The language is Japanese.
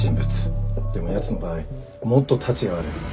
でもやつの場合もっとたちが悪い。